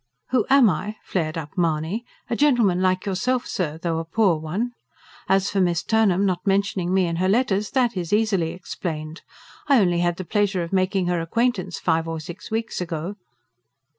"Who am I?" flared up Mahony. "A gentleman like yourself, sir! though a poor one. As for Miss Turnham not mentioning me in her letters, that is easily explained. I only had the pleasure of making her acquaintance five or six weeks ago."